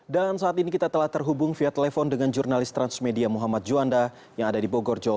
dan saat ini kita telah terhubung via telepon dengan jurnalis transmedia muhammad juanda yang ada di bogor jawa barat